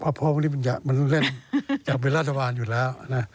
เพราะวันนี้มันเล่นอยากเป็นรัฐบาลอยู่แล้วนะ